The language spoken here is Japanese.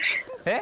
え？